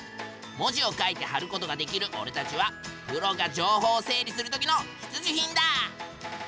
文字を書いて貼ることができるおれたちはプロが情報整理するときの必需品だ！